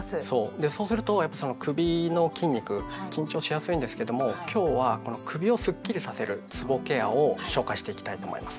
でそうすると首の筋肉緊張しやすいんですけども今日は首をスッキリさせるつぼケアを紹介していきたいと思います。